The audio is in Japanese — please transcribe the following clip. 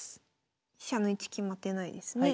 飛車の位置決まってないですね。